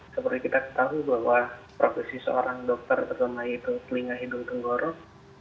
seperti kita tahu bahwa profesi seorang dokter terkenal itu klinik hidung dan anggorok